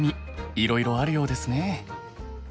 いろいろあるようですね。